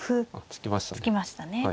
突きましたね。